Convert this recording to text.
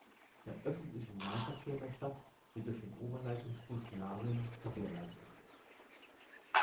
Der öffentliche Nahverkehr der Stadt wird durch den Oberleitungsbus Naryn gewährleistet.